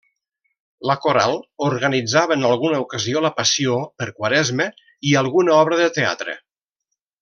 La coral organitzava en alguna ocasió La Passió per Quaresma i alguna obra de teatre.